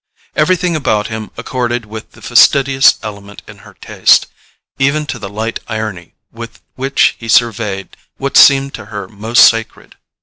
Everything about him accorded with the fastidious element in her taste, even to the light irony with which he surveyed what seemed to her most sacred.